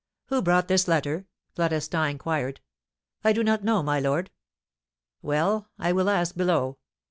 "Who brought this letter?" Florestan inquired. "I do not know, my lord." "Well, I will ask below.